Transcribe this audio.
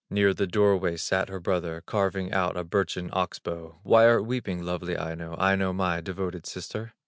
Near the door way sat her brother, Carving out a birchen ox bow: "Why art weeping, lovely Aino, Aino, my devoted sister?"